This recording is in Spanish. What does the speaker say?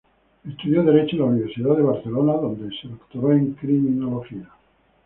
Estudió Derecho en la Universidad de Barcelona, donde se doctoró en Criminología.